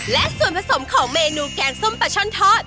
และส่วนผสมของเมนูแกงส้มปลาช่อนทอด